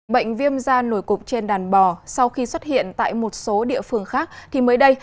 bệnh viêm da nổi cục trên đàn bò sau khi xuất hiện tại một số địa phương khác thì mới đây